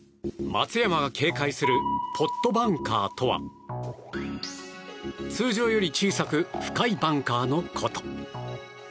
松山が警戒するポットバンカーとは通常より小さく深いバンカーのこと。